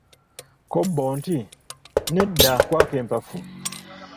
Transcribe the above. Kko bo nti, nedda kwako empafu.